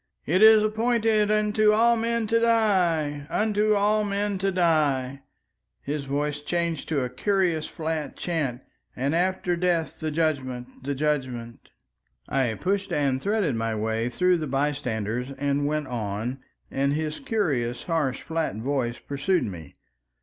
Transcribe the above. It is appointed unto all men to die—unto all men to die"—his voice changed to a curious flat chant—"and after death, the Judgment! The Judgment!" I pushed and threaded my way through the bystanders and went on, and his curious harsh flat voice pursued me.